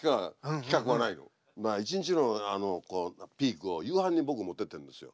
まあ一日のピークを夕飯に僕持ってってるんですよ。